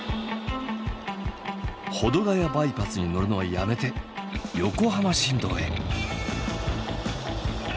保土ヶ谷バイパスに乗るのはやめて横浜新道へ。